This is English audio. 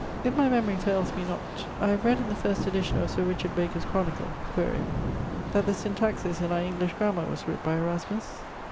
If my memorie failes me not, I have read in the first edition of Sir Richard Baker's Chronicle (quaere) that the Syntaxis in our English Grammar was writt by Erasmus.